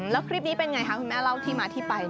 แล้วคลิปนี้เป็นไงคะคุณแม่เล่าที่มาที่ไป